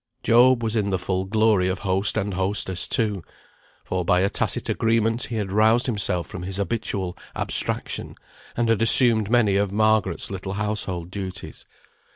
Job was in the full glory of host and hostess too, for by a tacit agreement he had roused himself from his habitual abstraction, and had assumed many of Margaret's little household duties.